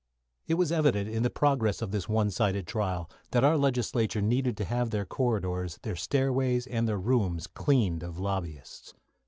It was evident, in the progress of this one sided trial, that our legislature needed to have their corridors, their stairways, and their rooms cleaned of lobbyists.